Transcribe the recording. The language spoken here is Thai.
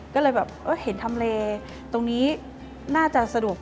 ก็เลยแบบเห็นทำเลตรงนี้น่าจะสะดวก